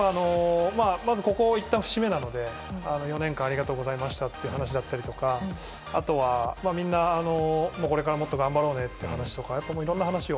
まず、ここがいったん節目なので４年間、ありがとうございましたという話だったりとかあとは、みんなこれからもっと頑張ろうねという話とかあといろいろな話を。